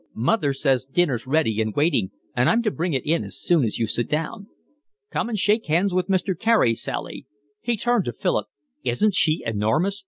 "Mother says dinner's ready and waiting and I'm to bring it in as soon as you sit down." "Come and shake hands with Mr. Carey, Sally." He turned to Philip. "Isn't she enormous?